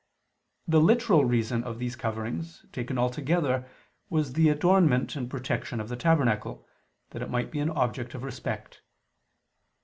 The literal reason of these coverings taken altogether was the adornment and protection of the tabernacle, that it might be an object of respect.